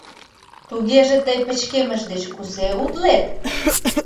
— Тугеже тый пычкемыш деч кузе утлет?